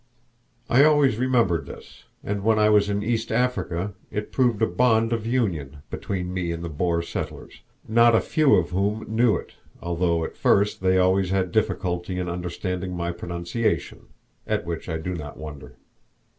I always remembered this, and when I was in East Africa it proved a bond of union between me and the Boer settlers, not a few of whom knew it, although at first they always had difficulty in understanding my pronunciation at which I do not wonder.